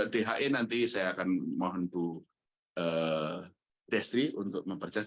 dhe nanti saya akan mohon bu destri untuk mempercaya